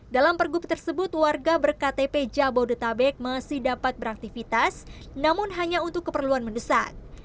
dalam pergub tersebut warga berktp jabodetabek masih dapat beraktivitas namun hanya untuk keperluan mendesak